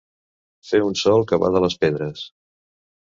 Fer un sol que bada les pedres.